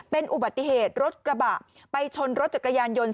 เป็นอุบัติเหตุรถกระบะไปชนรถจักรยานยนต์